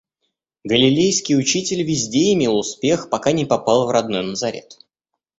Галилейский учитель везде имел успех, пока не попал в родной Назарет.